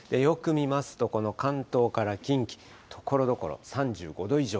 よく見ますと、この関東から近畿、ところどころ３５度以上。